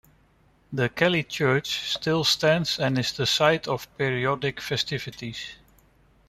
The Kelly Church still stands and is the site of periodic festivities.